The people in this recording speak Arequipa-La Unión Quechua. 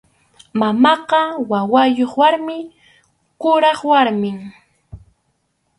Mamaqa wawayuq warmi, kuraq warmim.